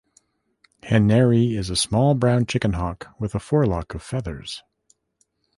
Henery is a small, brown chickenhawk with a forelock of feathers.